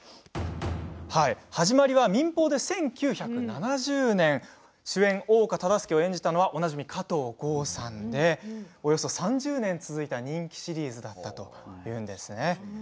始まりは民放で１９７０年主演、大岡忠相を演じたのはおなじみ、加藤剛さんでおよそ３０年続いた人気シリーズだったというんですね。